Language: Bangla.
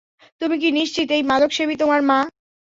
তুমি কি নিশ্চিত এই মাদকসেবী তোমার মা?